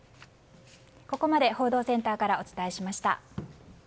ここまで報道センターからお伝えしました。